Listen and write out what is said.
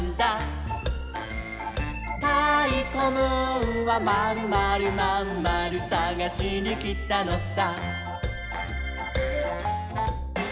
「たいこムーンはまるまるまんまるさがしにきたのさ」